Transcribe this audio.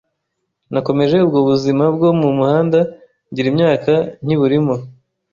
Nakomeje ubwo buzima bwo mu muhanda ngira imyaka nkiburimo.